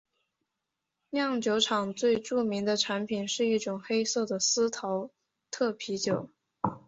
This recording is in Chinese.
酿酒厂最著名的产品是一种黑色的司陶特啤酒。